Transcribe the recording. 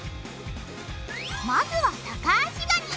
まずはタカアシガニ！